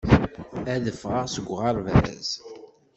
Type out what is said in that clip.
Ad ffɣeɣ seg uɣerbaz